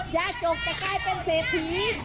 จะจกกักก็จะเป็นเศษฟิ